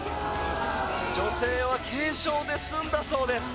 女性は軽傷で済んだそうです